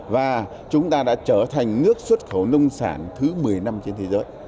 và chúng ta đã trở thành nước xuất khẩu nông sản thứ một mươi năm trên thế giới